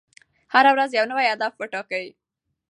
هره ورځ یو نوی هدف وټاکئ.